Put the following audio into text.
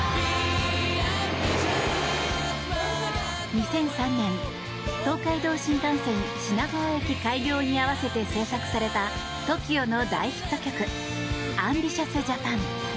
２００３年、東海道新幹線品川駅開業に合わせて制作されたＴＯＫＩＯの大ヒット曲「ＡＭＢＩＴＩＯＵＳＪＡＰＡＮ！」。